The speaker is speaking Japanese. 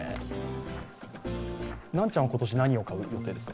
ナンちゃんは今年、何を買う予定ですか。